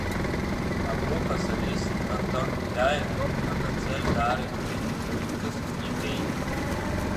Агәыԥ асолист Антон Белиаев аконцерт даара ибзианы ишымҩаԥысыз иҳәеит.